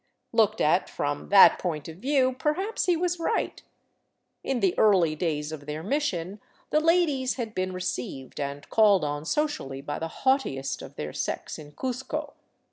Looked at from that point of view, perhaps he was right. In the early days of their mission the ladies had been received and called on socially by the haughtiest of their sex in Cuzco.